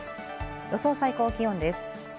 予想最高気温です。